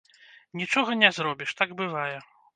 Нічога не зробіш, так бывае.